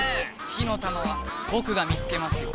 火の玉はぼくが見つけますよ。